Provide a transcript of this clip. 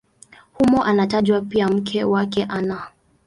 Humo anatajwa pia mke wake Ana.